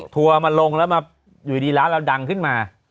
ทัวร์มาลงแล้วมาอยู่ดีร้านเราดังขึ้นมา